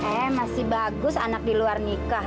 eh masih bagus anak di luar nikah